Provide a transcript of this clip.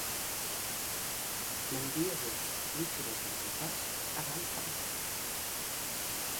M'aniria bé mitja horeta de repòs abans de l'atac